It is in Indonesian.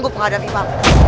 tidak ada apa apa